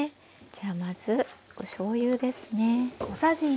じゃあまずおしょうゆですね。